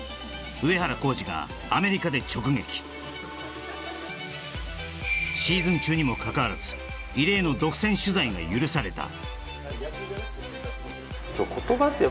上原浩治がアメリカで直撃シーズン中にもかかわらず異例の独占取材が許された